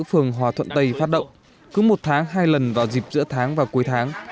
phường hòa thuận tây phát động cứ một tháng hai lần vào dịp giữa tháng và cuối tháng